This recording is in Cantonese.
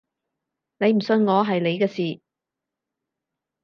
你唔信我係你嘅事